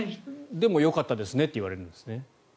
でも、よかったですねって言われるんですね。